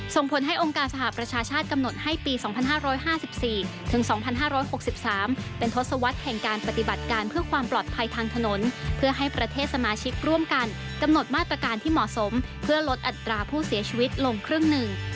ส่งผลให้องค์การสหประชาชาติกำหนดให้ปี๒๕๕๔ถึง๒๕๖๓เป็นทศวรรษแห่งการปฏิบัติการเพื่อความปลอดภัยทางถนนเพื่อให้ประเทศสมาชิกร่วมกันกำหนดมาตรการที่เหมาะสมเพื่อลดอัตราผู้เสียชีวิตลงครึ่งหนึ่ง